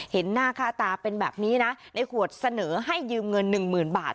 เห็นหน้าค่าตาเป็นแบบนี้นะในขวดเสนอให้ยืมเงินหนึ่งหมื่นบาท